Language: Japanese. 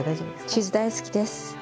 チーズ大好きです。